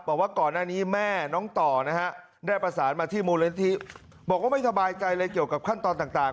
บอกว่าก่อนหน้านี้แม่น้องต่อนะฮะได้ประสานมาที่มูลนิธิบอกว่าไม่สบายใจเลยเกี่ยวกับขั้นตอนต่าง